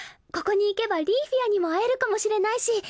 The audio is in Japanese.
ここに行けばリーフィアにも会えるかもしれないし。